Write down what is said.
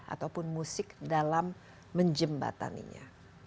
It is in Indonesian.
ataupun musik dalam menjembataninya